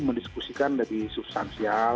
mendiskusikan lebih substansial